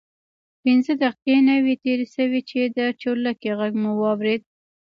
پنځه دقیقې نه وې تېرې شوې چې د چورلکې غږ مو واورېد.